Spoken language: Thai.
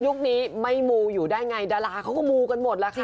ยุคนี้ไม่มูอยู่ได้ไงดาราเขาก็มูกันหมด